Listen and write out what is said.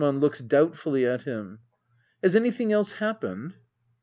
Tesman. [Looks doubtfully at h%m.'\ Has anything else happened